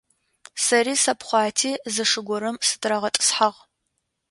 Сэри сапхъуати зы шы горэм сытырагъэтӏысхьагъ.